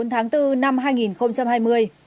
hà nội ngày một mươi bốn tháng bốn năm hai nghìn hai mươi